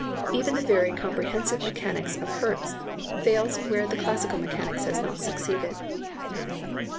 Even the very comprehensive mechanics of a Hertz fails where the classical mechanics has not succeeded.